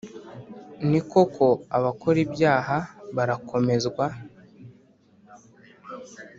ni koko abakora ibyaha barakomezwa